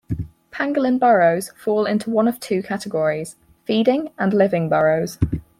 Pangolin burrows fall into one of two categories: feeding and living burrows.